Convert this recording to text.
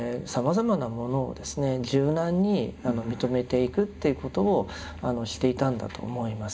柔軟に認めていくっていうことをしていたんだと思います。